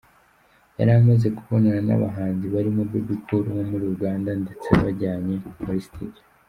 Yamaze kubonana n’abahanzi barimo Bebe Cool wo muri Uganda ndetse bajyanye muri studio.